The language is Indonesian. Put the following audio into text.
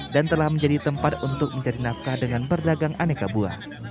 dan telah menjadi tempat untuk mencari nafkah dengan pedagang aneka buah